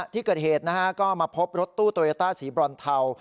ที่เกิดเหตุนะฮะก็มาพบรถตู้โตโยต้าสีบรอนเทา